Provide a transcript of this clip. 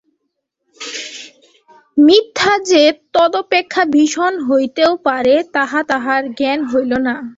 মিথ্যা যে তদপেক্ষা ভীষণ হইতে পারে তাহা তাহার জ্ঞান হইল না।